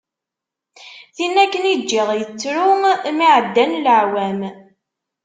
Tinna akken i ğğiɣ tettru, mi ɛeddan laɛwam.